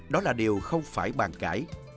đó là điều không phải bàn cãi